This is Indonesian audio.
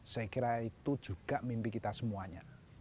saya kira itu juga mimpi kita semuanya